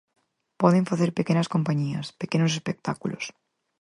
Poden facer pequenas compañías, pequenos espectáculos.